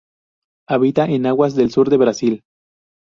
Habita en aguas del sur de Brasil.